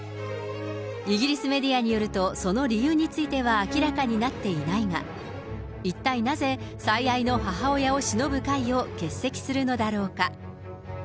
イギリスメディアによると、その理由については明らかになっていないが、一体なぜ、最愛の母親をしのぶ会を欠席するのだろうか。